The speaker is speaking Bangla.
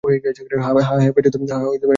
হ্যাঁঁ হেফাজতে আছি।